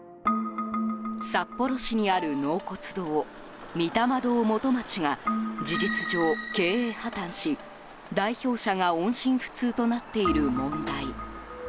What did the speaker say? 札幌市にある納骨堂御霊堂元町が事実上、経営破綻し、代表者が音信不通となっている問題。